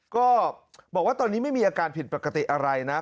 ก็บอกว่าตอนนี้ไม่มีอาการผิดปกติอะไรนะ